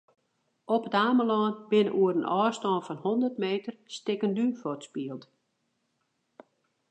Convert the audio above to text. Op It Amelân binne oer in ôfstân fan hûndert meter stikken dún fuortspield.